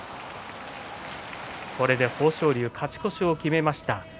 豊昇龍勝ち越しを決めました。